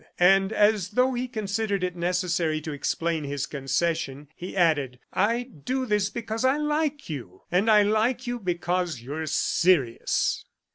And as though he considered it necessary to explain his concession, he added "I do all this because I like you; and I like you because you are serious."